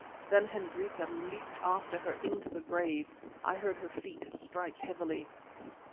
Then Hendrika leaped after her into the grave. I heard her feet strike heavily.